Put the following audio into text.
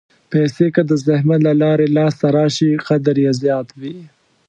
پېسې که د زحمت له لارې لاسته راشي، قدر یې زیات وي.